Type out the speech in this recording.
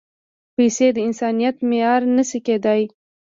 پېسې د انسانیت معیار نه شي کېدای.